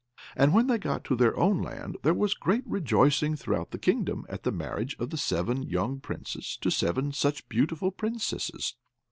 And when they got to their own land, there was great rejoicing throughout the kingdom, at the marriage of the seven young Princes to seven such beautiful Princesses.